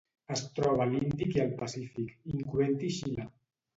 Es troba a l'Índic i el Pacífic, incloent-hi Xile.